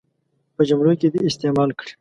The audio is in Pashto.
په جملو کې دې یې استعمال کړي.